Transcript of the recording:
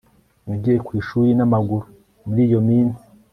Nagiye ku ishuri namaguru muri iyo minsi